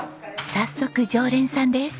早速常連さんです。